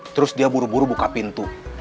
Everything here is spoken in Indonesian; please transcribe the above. terus dia buru buru buka pintu